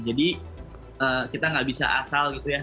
jadi kita nggak bisa asal gitu ya